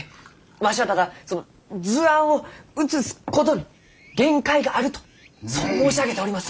わしはただ図案を写すことに限界があるとそう申し上げております。